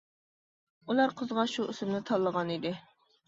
ئۇلار قىزغا شۇ ئىسىمنى تاللىغان ئىدى.